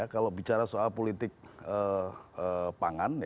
kalau bicara soal politik pangan